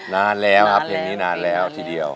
นานแล้วครับเพลงนี้นานแล้วทีเดียว